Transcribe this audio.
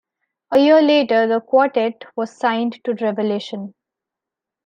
A year later the quartet was signed to Revelation.